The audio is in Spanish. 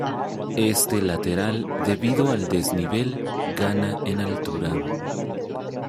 Este lateral debido al desnivel gana en altura.